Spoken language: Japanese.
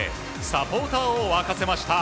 サポーターを沸かせました。